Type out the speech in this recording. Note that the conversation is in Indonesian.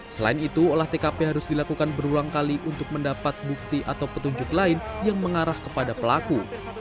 selain itu olah tkp harus dilakukan berulang kali untuk mendapat bukti atau petunjuk lain yang mengarah kepada pelaku